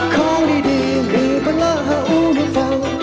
ข้าวดีมีเวลาหาอุ้มฟัง